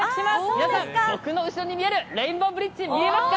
皆さん、僕の後ろに見えるレインボーブリッジ、見えますか。